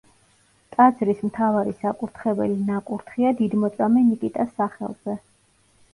ტაძრის მთავარი საკურთხეველი ნაკურთხია დიდმოწამე ნიკიტას სახელზე.